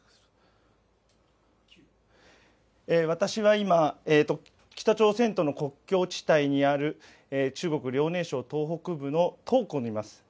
私は今、北朝鮮との国境地帯にある中国・遼寧省東北部の東港にいます。